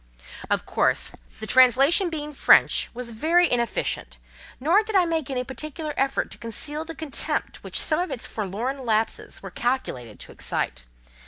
Of course, the translation being French, was very inefficient; nor did I make any particular effort to conceal the contempt which some of its forlorn lapses were calculated to excite.